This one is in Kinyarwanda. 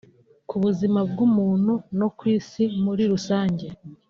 ku buzima bw’umuntu no ku isi muri rusange